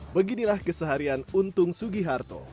beginilah keseharian untung sugiharto